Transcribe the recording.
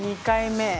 ２回目。